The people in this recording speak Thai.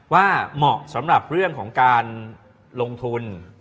เหมาะสำหรับเรื่องของการลงทุน